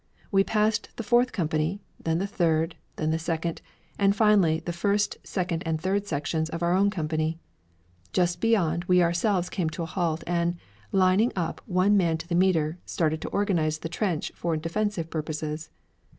We passed the fourth company, then the third, then the second, and finally the first, second, and third sections of our own company. Just beyond, we ourselves came to a halt and, lining up one man to the metre, started to organize the trench for defensive purposes.